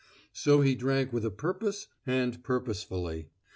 So he drank with a purpose and purposefully.